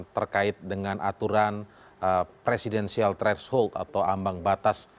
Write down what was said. terkait dengan aturan presidensial threshold atau ambang batas